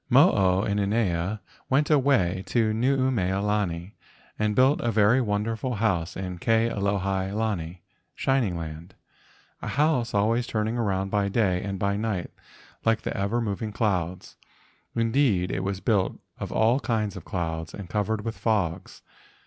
Mo o inanea went away to Nuumea lani and built a very wonderful house in Ke alohi lani (shining land), a house always turning around by day and by night like the ever moving clouds, indeed, it was built of all kinds of clouds and covered with fogs.